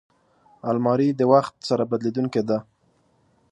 الماري د وخت سره بدلېدونکې ده